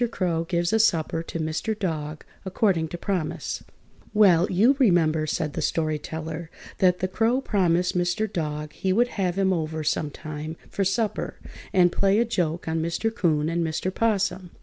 CROW GIVES A SUPPER TO MR. DOG, ACCORDING TO PROMISE Well, you remember (said the Story Teller) that the Crow promised Mr. Dog he would have him over sometime for supper, and play a joke on Mr. 'Coon and Mr. 'Possum.